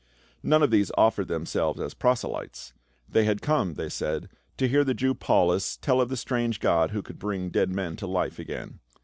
None of these offered themselves as proselytes. ' Tliey had come,' they said, 'to hear the Jew Paulus tell of the strange god who could bring dead men to life again.'